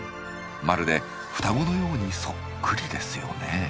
まるで双子のようにそっくりですよね。